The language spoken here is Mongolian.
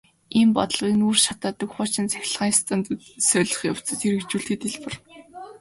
Ийм бодлогыг нүүрс шатаадаг хуучин цахилгаан станцуудыг солих явцад хэрэгжүүлэхэд хялбар.